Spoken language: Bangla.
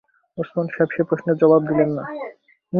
ওসমান সাহেব সে প্রশ্নের জবাব দিলেন না।